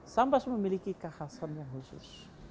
sambas memiliki kekhasan yang khusus